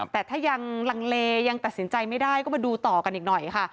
แต่ถ้ายังลังเลยังตัดสินใจไม่ได้ก็มาดูต่อกันอีกหน่อยค่ะ